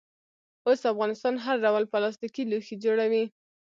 اوس افغانستان هر ډول پلاستیکي لوښي جوړوي.